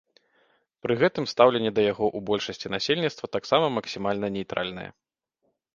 Пры гэтым стаўленне да яго ў большасці насельніцтва таксама максімальна нейтральнае.